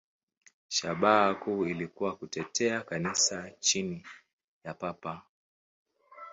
Shabaha kuu ilikuwa kutetea Kanisa chini ya Papa.